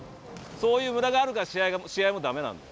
そういうムラがあるから試合もダメなんだ。